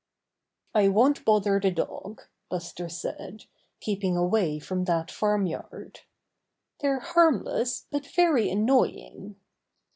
"I won't bother the dog," Buster said, keep ing away from that farm yard. "They're harmless, but very annoying."